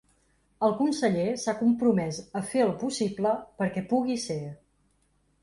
El conseller s’ha compromès a fer el possible perquè pugui ser.